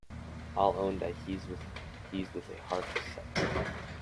I’ll own that he’s with a harsh set.